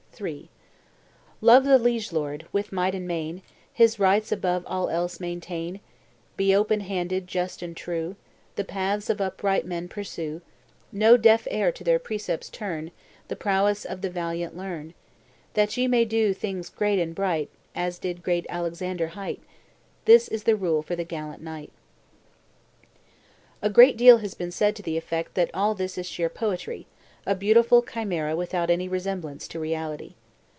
III. Love the liege lord; with might and main His rights above all else maintain; Be open handed, just, and true; The paths of upright men pursue; No deaf ear to their precepts turn; The prowess of the valiant learn; That ye may do things great and bright, As did great Alexander hight; This is the rule for the gallant knight. A great deal has been said to the effect that all this is sheer poetry, a beautiful chimera without any resemblance to reality.